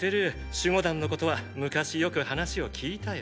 守護団のことは昔よく話を聞いたよ。